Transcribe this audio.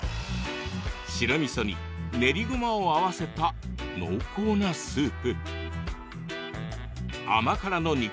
白みそに練りごまを合わせた濃厚なスープ甘辛の肉